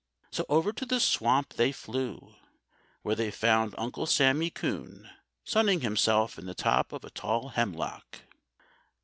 So over to the swamp they flew, where they found Uncle Sammy Coon sunning himself in the top of a tall hemlock.